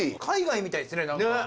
海外みたいですね何か。